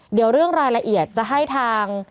เดี๋ยวเรื่องรายละเอียดจะให้ทาง